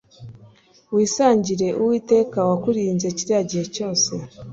wisangira uwiteka wakurinze kiriya gihe cyose